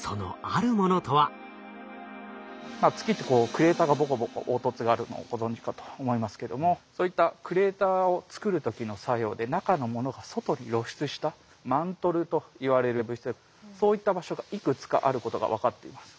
月ってクレーターがボコボコ凹凸があるのをご存じかと思いますけどもそういったクレーターを作る時の作用で中のものが外に露出したマントルといわれる物質でそういった場所がいくつかあることが分かっています。